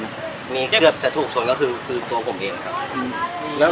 มีเกือบจะถูกชนก็คือตัวผมเองนะครับ